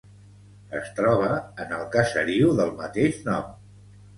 Es troba en el caseriu del mateix nom.